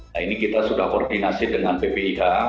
nah ini kita sudah koordinasi dengan ppih